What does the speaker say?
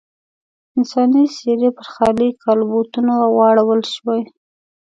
انساني څېرې پر خالي کالبوتونو واړول شوې.